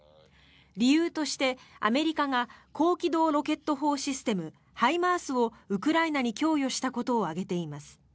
理由としてアメリカが高機動ロケット砲システムＨＩＭＡＲＳをウクライナに供与したことを挙げています。